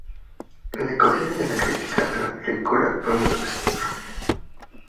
La acogida de la crítica a la película fue muy positiva.